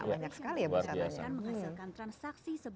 banyak sekali ya busananya